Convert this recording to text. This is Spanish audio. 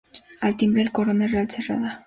Al timbre, la corona real cerrada.